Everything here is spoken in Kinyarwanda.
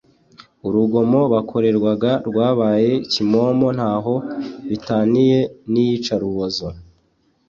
Urugomo bakorerwaga rwabaye kimomo ntaho bitaniye niyicarubozo